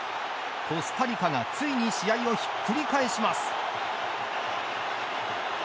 コスタリカがついに試合をひっくり返します。